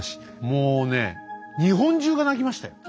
もうね日本中が泣きましたよ。